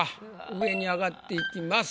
上に上がっていきます。